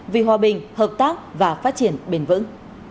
vì hòa bình hợp tác và phát triển bền vững